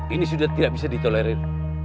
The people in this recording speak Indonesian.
ini sudah tidak bisa ditolerir